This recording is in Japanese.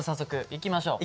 いきましょう。